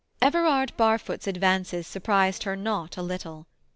Everard Barfoot's advances surprised her not a little.